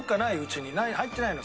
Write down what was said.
入ってないの？